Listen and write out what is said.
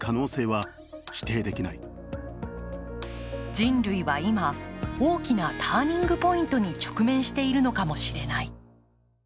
人類は今、大きなターニングポイントに直撃しているのかもしれない。